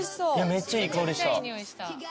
めっちゃいい香りした。